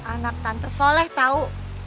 anak tante soleh tau